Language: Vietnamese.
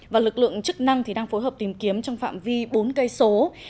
và lực lượng chức năng đang phối hợp tìm kiếm trong phạm vi bốn cây số